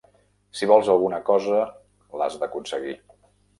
Si vols alguna cosa, l'has d'aconseguir.